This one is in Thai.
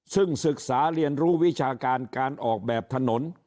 ซึ่งศึกษาเรียนรู้วิชาการการออกแบบถนน